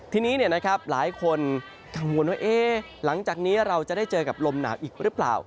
ทีนี้หลายคนกังวลว่าหลังจากนี้เราจะได้เจอกับลมหนาวอีกหรือเปล่า